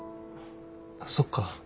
そっか。